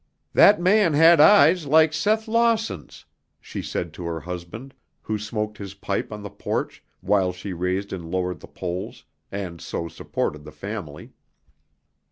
"That man had eyes like Seth Lawsons," she said to her husband, who smoked his pipe on the porch while she raised and lowered the poles and so supported the family.